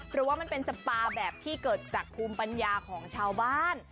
เพราะว่ามันเป็นสปาแบบที่เกิดจากภูมิปัญญาของชาวบ้าน